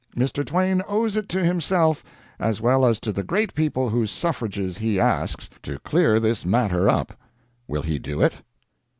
Mr. Twain owes it to himself, as well as to the great people whose suffrages he asks, to clear this matter up. Will he do it?